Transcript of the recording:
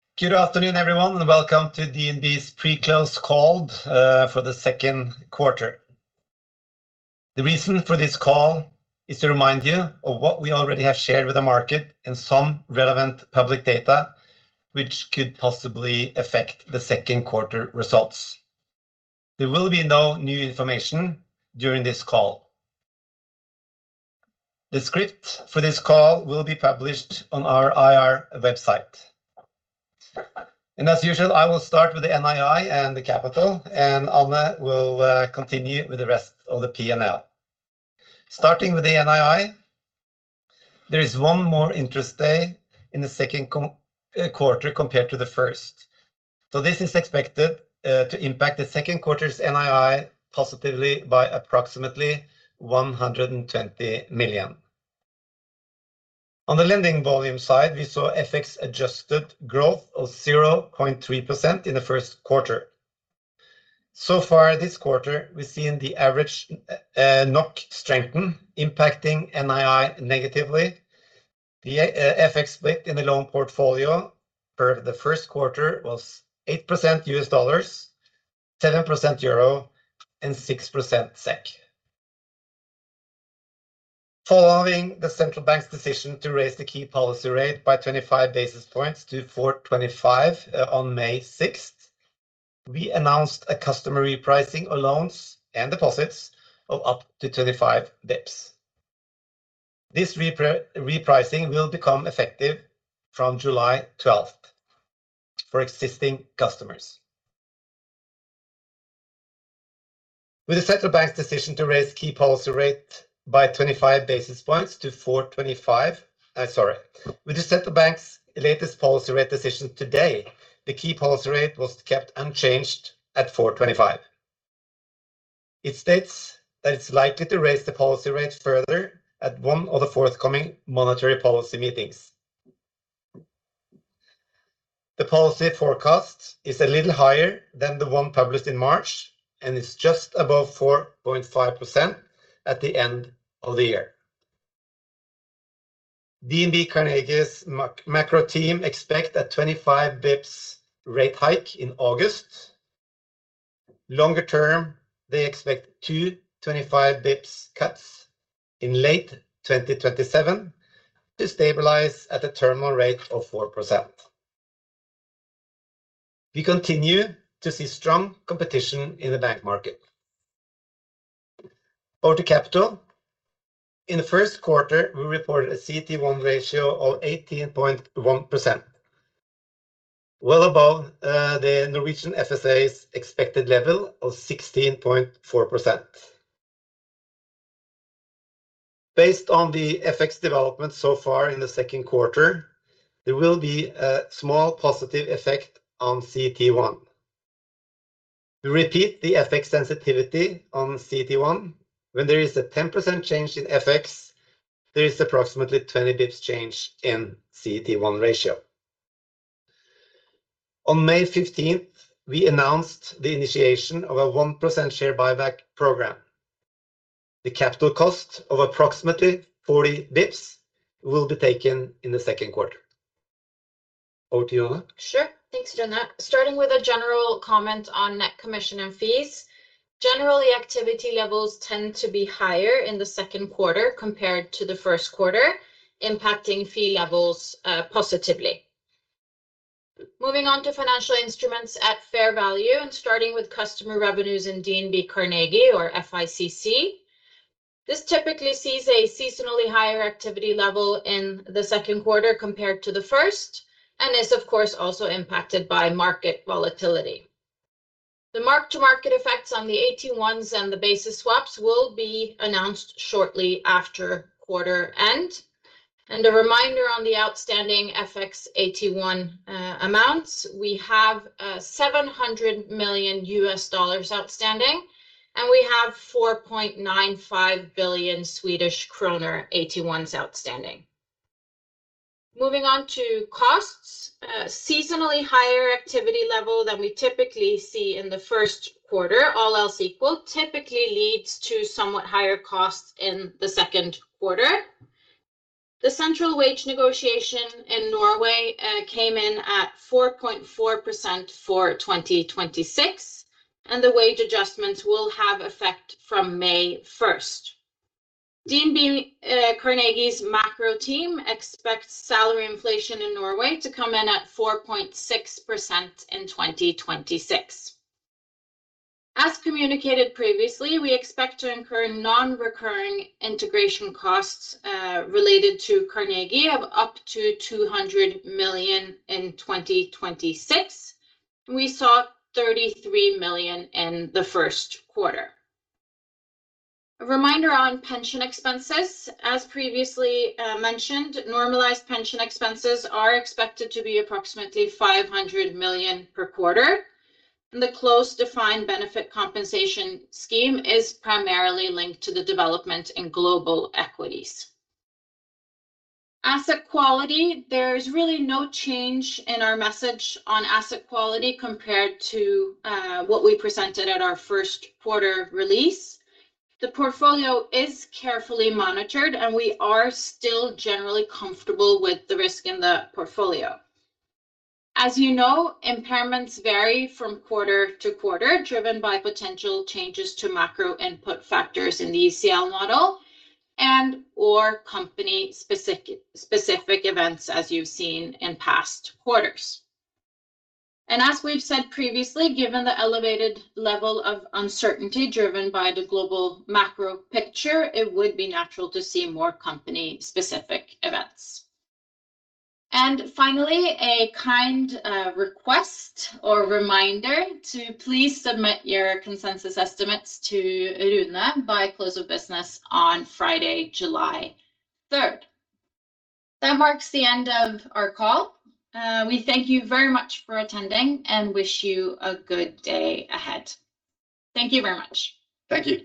Good afternoon, everyone. Welcome to DNB's pre-close call for the second quarter. The reason for this call is to remind you of what we already have shared with the market and some relevant public data which could possibly affect the second quarter results. There will be no new information during this call. The script for this call will be published on our IR website. As usual, I will start with the NII and the capital, and Anne will continue with the rest of the P&L. Starting with the NII, there is one more interest day in the second quarter compared to the first. This is expected to impact the second quarter's NII positively by approximately 120 million. On the lending volume side, we saw FX-adjusted growth of 0.3% in the first quarter. Far this quarter, we've seen the average NOK strengthen, impacting NII negatively. The FX split in the loan portfolio for the first quarter was 8% USD, 7% EUR, and 6% SEK. Following the central bank's decision to raise the key policy rate by 25 basis points to 425 on May 6th, we announced a customer repricing of loans and deposits of up to 25 bps. This repricing will become effective from July 12th for existing customers. With the central bank's latest policy rate decision today, the key policy rate was kept unchanged at 425. It states that it's likely to raise the policy rate further at one of the forthcoming monetary policy meetings. The policy forecast is a little higher than the one published in March and is just above 4.5% at the end of the year. DNB Carnegie's macro team expect a 25-bps rate hike in August. Longer term, they expect two 25 bps cuts in late 2027 to stabilize at a terminal rate of 4%. We continue to see strong competition in the bank market. Over to capital. In the first quarter, we reported a CET1 ratio of 18.1%, well above the Norwegian FSA's expected level of 16.4%. Based on the FX development so far in the second quarter, there will be a small positive effect on CET1. To repeat the FX sensitivity on CET1, when there is a 10% change in FX, there is approximately 20 bps change in CET1 ratio. On May 15th, we announced the initiation of a 1% share buyback program. The capital cost of approximately 40 bps will be taken in the second quarter. Over to you, Anne. Sure. Thanks, John. Starting with a general comment on net commission and fees. Generally, activity levels tend to be higher in the second quarter compared to the first quarter, impacting fee levels positively. Moving on to financial instruments at fair value, starting with customer revenues in DNB Carnegie or FICC. This typically sees a seasonally higher activity level in the second quarter compared to the first and is of course also impacted by market volatility. The mark-to-market effects on the AT1s and the basis swaps will be announced shortly after quarter end. A reminder on the outstanding FX AT1 amounts, we have $700 million outstanding, and we have 4.95 billion SEK AT1s outstanding. Moving on to costs. A seasonally higher activity level than we typically see in the first quarter, all else equal, typically leads to somewhat higher costs in the second quarter. The central wage negotiation in Norway came in at 4.4% for 2026. The wage adjustments will have effect from May 1st. DNB Carnegie's macro team expects salary inflation in Norway to come in at 4.6% in 2026. As communicated previously, we expect to incur non-recurring integration costs, related to Carnegie, of up to 200 million in 2026. We saw 33 million in the first quarter. A reminder on pension expenses. As previously mentioned, normalized pension expenses are expected to be approximately 500 million per quarter. The close defined benefit compensation scheme is primarily linked to the development in global equities. Asset quality. There is really no change in our message on asset quality compared to what we presented at our first quarter release. The portfolio is carefully monitored. We are still generally comfortable with the risk in the portfolio. As you know, impairments vary from quarter to quarter, driven by potential changes to macro input factors in the ECL model and/or company-specific events, as you've seen in past quarters. As we've said previously, given the elevated level of uncertainty driven by the global macro picture, it would be natural to see more company-specific events. Finally, a kind request or reminder to please submit your consensus estimates to Rune by close of business on Friday, July 3rd. That marks the end of our call. We thank you very much for attending and wish you a good day ahead. Thank you very much. Thank you.